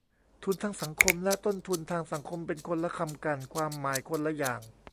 "ทุนทางสังคม" และ "ต้นทุนทางสังคม" เป็นคนละคำกัน ความหมายคนละอย่าง